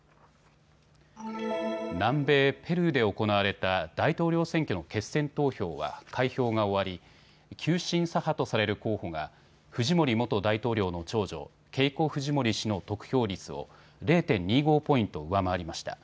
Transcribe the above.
南米ペルーで行われた大統領選挙の決選投票は開票が終わり、急進左派とされる候補がフジモリ元大統領の長女、ケイコ・フジモリ氏の得票率を０．２５ポイント上回りました。